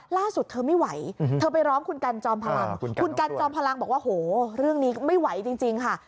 ล่าสุดเธอไม่ไหวเธอไปร้องคุณกันจอมพลังคุณกันจอมพลังบอกว่าโหเรื่องนี้ไม่ไหวจริงค่ะ